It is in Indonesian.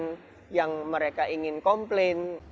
atau efek yang mereka ingin mencari